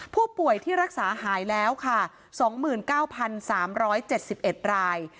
ผู้ป่วยที่รักษาหายแล้วค่ะ๒๙๓๗๑ราย